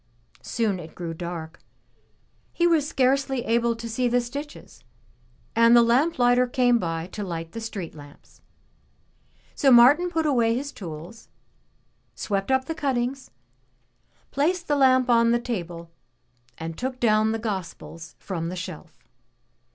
Soon it grew dark; he was scarcely able to see the stitches, and the lamp lighter came by to light the street lamps. So Martin put away his tools, swept up the cuttings, placed the lamp on the table, and took down the Gospels from the shelf.